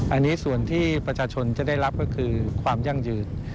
อันนี้ส่วนที่ประชาชนจะได้รับก็คือความยั่งยืน